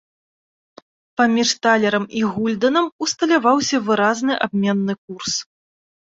Паміж талерам і гульдэнам усталяваўся выразны абменны курс.